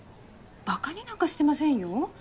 馬鹿になんかしてませんよ。